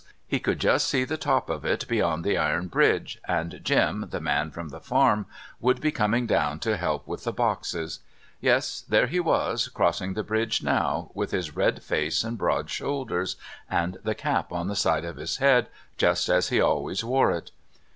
He could just see the top of it beyond the iron bridge, and Jim, the man from the Farm, would be coming down to help with the boxes; yes, there he was crossing the bridge now, with his red face and broad shoulders, and the cap on the side of his head, just as he always wore it.